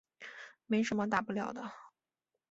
没什么大不了的